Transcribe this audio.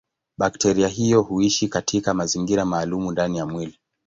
Bakteria hiyo huishi katika mazingira maalumu ndani ya mwili.